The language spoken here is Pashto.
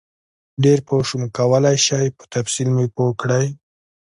ډېر پوه شم کولای شئ په تفصیل مې پوه کړئ؟